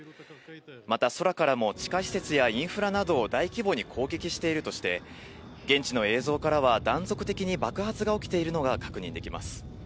また空からも地下施設やインフラなどを大規模に攻撃しているとして、現地の映像からは断続的に爆発が起きているのが確認できます。